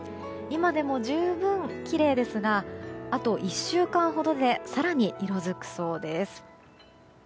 今でも十分きれいですがあと１週間ほどで更に色づくそうです。